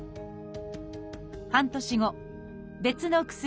半年後別の薬